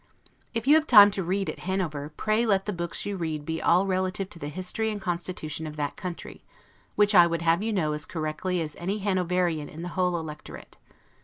If you have time to read at Hanover, pray let the books you read be all relative to the history and constitution of that country; which I would have you know as correctly as any Hanoverian in the whole Electorate.